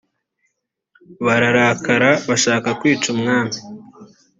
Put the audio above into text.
bararakara bashaka kwica umwami .